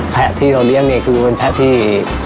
แพะที่เราเลี้ยงเนี่ยคือเป็นแพะที่